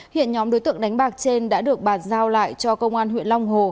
hiện nhóm đối tượng đánh bạc trên đã được bàn giao lại cho công an huyện long hồ